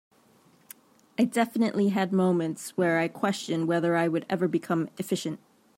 I definitely had moments where I questioned whether I would ever become efficient.